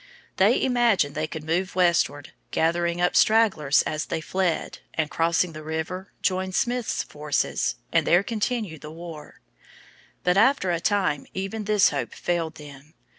They imagined they could move westward, gathering up stragglers as they fled, and, crossing the river, join Smith's forces, and there continue the war. But after a time even this hope failed them.